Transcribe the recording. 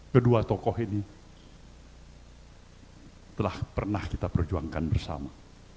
kedua tokoh ini telah pernah kita perjuangkan bersama